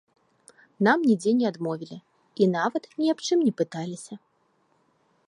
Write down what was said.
Нам нідзе не адмовілі і нават ні аб чым не пыталіся.